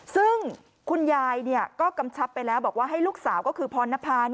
ซึ่งคุณยายก็กำชับไปแล้วบอกว่าให้ลูกสาวก็คือพรณภา